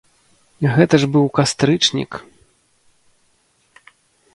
Гэта ж быў кастрычнік!